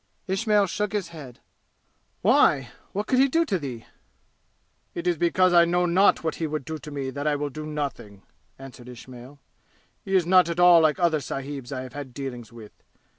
Ismail shook his head. "Why? What could he do to thee?" "It is because I know not what he would do to me that I will do nothing!" answered Ismail. "He is not at all like other sahibs I have had dealings with.